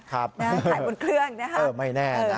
ครับไม่แน่นะคือไข่บนเครื่องนะฮะ